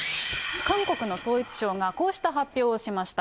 韓国の統一省が、こうした発表をしました。